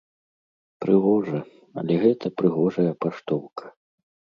Прыгожа, але гэта прыгожая паштоўка.